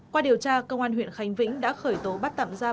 qua điều tra công an huyện khánh vĩnh đã khởi tố bắt tạm giam